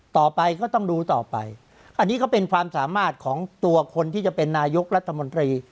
ต่อไปก็ต้องดูต่อไปอันนี้ก็เป็นความสามารถของตัวคนที่จะเป็นนายกรัฐมนตรี